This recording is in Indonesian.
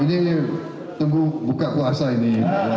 ini tunggu buka puasa ini